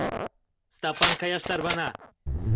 — Стапан каяш тарвана.